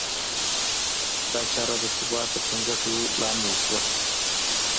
دا چاره د ثبات د ټینګښت لامل شوه.